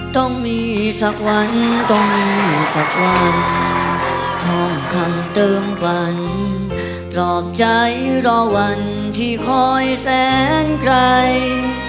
ต้องมีสักวันต้องมีสักวันทองคำเติมฝันปลอบใจรอวันที่คอยแสนไกล